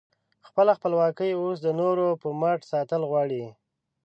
خپله خپلواکي اوس د نورو په مټ ساتل غواړې؟